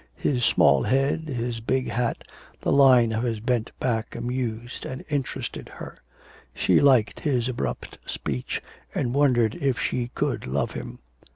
His small head, his big hat, the line of his bent back amused and interested her; she liked his abrupt speech, and wondered if she could love him.